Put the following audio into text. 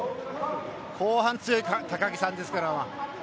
後半強い高木さんですから。